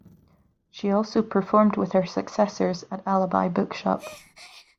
She also performed with her successors at Alibi Bookshop.